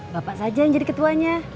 bapak saja yang jadi ketuanya